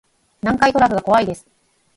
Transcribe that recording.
南海トラフが怖いです